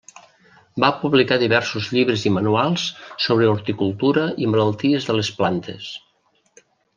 Va publicar diversos llibres i manuals sobre horticultura i malalties de les plantes.